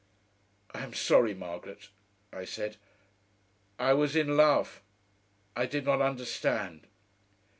"I am sorry, Margaret," I said. "I was in love.... I did not understand...."